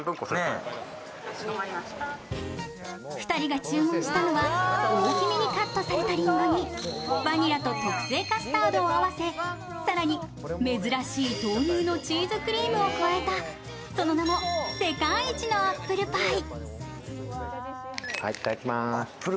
２人が注文したのは、大きめにカットされたりんごにバニラと特製カスタードを合わせ、更に、珍しい豆乳のチーズクリームを加えたその名も世界一のアップルパイ。